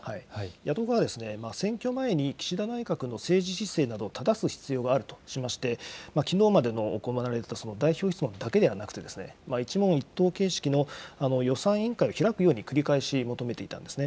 野党側は選挙前に、岸田内閣の政治姿勢などをただす必要があるとしまして、きのうまでの行われた代表質問だけではなくて、一問一答形式の予算委員会を開くように、繰り返し求めていたんですね。